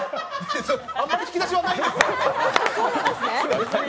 あまり引き出しはないんですよ。